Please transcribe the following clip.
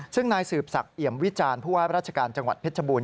ซึ่งนายสืบศักดิ์เอี่ยมวิจารณ์ผู้ว่าราชการจังหวัดเพชรบูร